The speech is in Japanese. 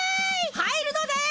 入るのです！